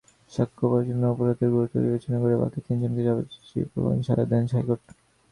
সাক্ষ্য পর্যালোচনায় অপরাধের গুরুত্ব বিবেচনা করে বাকি তিনজনকে যাবজ্জীবন সাজা দেন হাইকোর্ট।